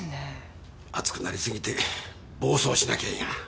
熱くなりすぎて暴走しなきゃいいが。